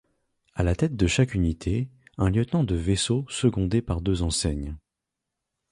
À la tête de chaque unité, un lieutenant de vaisseau secondé par deux enseignes.